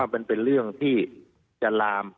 ว่าเป็นเป็นเรื่องที่จะลาม